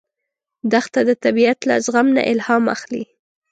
دښته د طبیعت له زغم نه الهام اخلي.